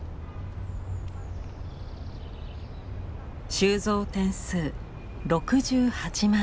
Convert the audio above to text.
収蔵点数６８万点。